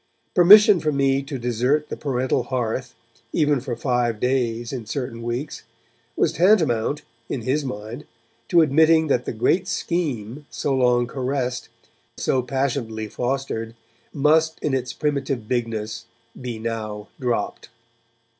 Permission for me to desert the parental hearth, even for five days in certain weeks, was tantamount, in his mind, to admitting that the great scheme, so long caressed, so passionately fostered, must in its primitive bigness be now dropped.